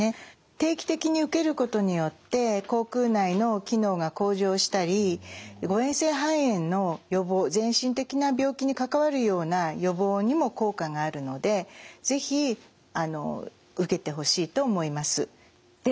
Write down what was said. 定期的に受けることによって口腔内の機能が向上したり誤嚥性肺炎の予防全身的な病気に関わるような予防にも効果があるので是非受けてほしいと思います。